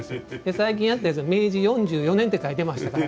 最近やったやつは明治４４年って書いてましたから。